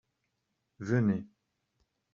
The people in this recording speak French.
venez.